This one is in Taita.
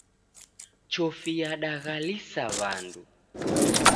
Chofi yadaghalisa w'andu.